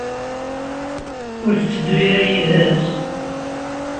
Ur tetteddu ara yid-s?